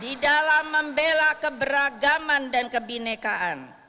di dalam membela keberagaman dan kebinekaan